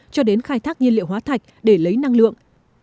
cho đến khai thác nhiên liệu hóa thạch để lấy năng lượng